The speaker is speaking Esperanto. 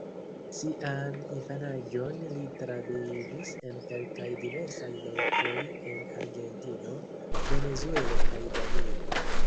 Sian infanaĝon li travivis en kelkaj diversaj lokoj en Argentino, Venezuelo kaj Danio.